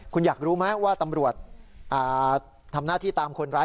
คุณอยากรู้ไหมว่าตำรวจทำหน้าที่ตามคนร้าย